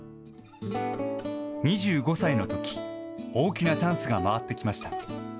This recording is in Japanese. ２５歳の時大きなチャンスが回ってきました。